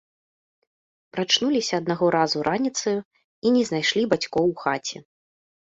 Прачнуліся аднаго разу раніцою і не знайшлі бацькоў у хаце.